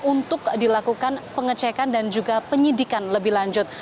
untuk dilakukan pengecekan dan juga penyidikan lebih lanjut